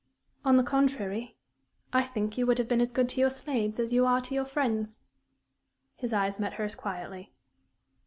"On the contrary, I think you would have been as good to your slaves as you are to your friends." His eyes met hers quietly.